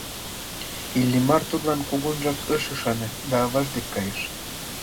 Иллимар тудлан кугунжак ыш ӱшане да аваж дек кайыш.